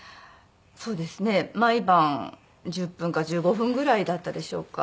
毎晩１０分か１５分ぐらいだったでしょうか。